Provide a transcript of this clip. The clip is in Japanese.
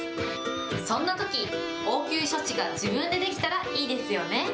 そんなとき、応急処置が自分でできたらいいですよね。